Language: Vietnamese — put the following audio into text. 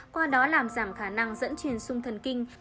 qua đó làm giảm khả năng dẫn trên sung thần kinh